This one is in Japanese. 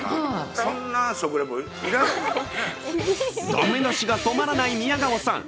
駄目出しが止まらない宮川さん。